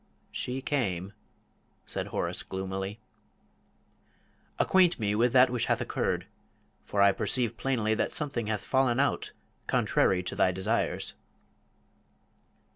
"She came," said Horace, gloomily. "Acquaint me with that which hath occurred for I perceive plainly that something hath fallen out contrary to thy desires."